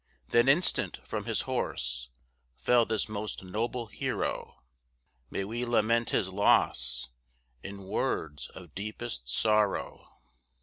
Then instant from his horse, Fell this most noble hero, May we lament his loss In words of deepest sorrow.